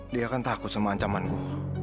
dia kan takut sama ancamanku